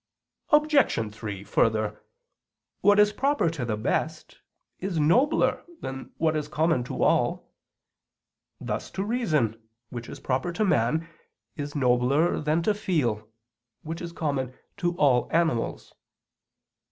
Obj. 3: Further, what is proper to the best is nobler than what is common to all; thus to reason, which is proper to man, is nobler than to feel, which is common to all animals.